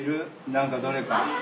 何かどれか。